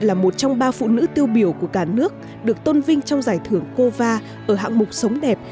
là một trong ba phụ nữ tiêu biểu của cả nước được tôn vinh trong giải thưởng cova ở hạng mục sống đẹp